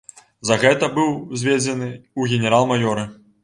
За гэта быў узведзены ў генерал-маёры.